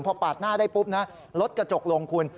พอปาดหน้าได้ปุ๊บนะรถกระจกลงคุณ